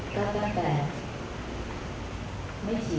จังหวะขึ้นดี